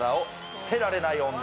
「捨てられない女」